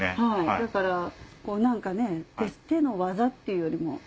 だから手の技っていうよりも。